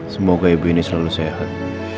semoga ibu ini selalu sehat